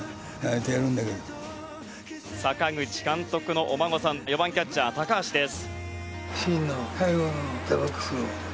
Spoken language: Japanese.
阪口監督のお孫さん、４番キャッチャー高橋です。